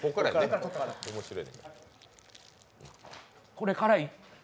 これ、辛い？